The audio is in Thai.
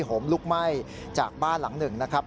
โหมลุกไหม้จากบ้านหลังหนึ่งนะครับ